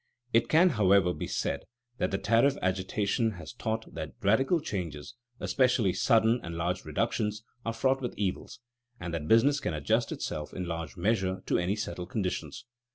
It can, however, be said that the tariff agitation has taught that radical changes, especially sudden and large reductions, are fraught with evils, and that business can adjust itself in large measure to any settled conditions.